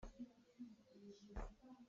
Mawṭaw pakhat ah an i tlum dih lai maw?